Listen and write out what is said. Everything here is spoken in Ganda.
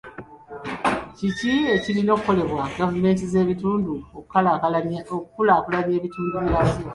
Ki ekirina okukolebwa gavumenti z'ebitundu okukulaakulanya ebitundu byazo.